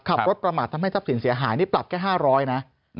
ขับรถประมาททำให้ทรัพย์สินเสียหายนี่ปรับแค่๕๐๐นะ